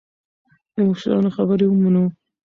د مشرانو خبرې ومنو.